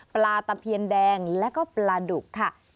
ปลาตะเพียนแดงแล้วก็ปลาดุกค่ะ